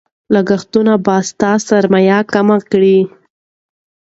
لګښتونه به ستا سرمایه کمه کړي.